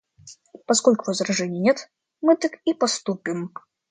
Поскольку возражений нет, мы так и поступим.